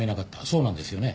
そうなんですよね？